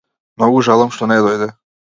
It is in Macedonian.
Многу жалам што не дојде.